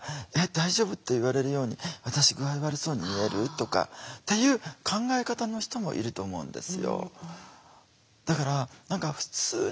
『大丈夫？』って言われるように私具合悪そうに見える？」とかっていう考え方の人もいると思うんですよ。